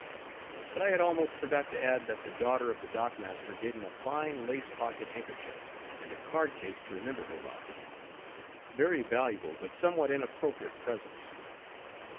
But I had almost forgot to add that the daughter of the dock master gave him a fine lace pocket handkerchief and a card case to remember her by; very valuable, but somewhat inappropriate presents.